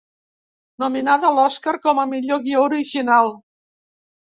Nominada a l'Oscar com a millor guió original.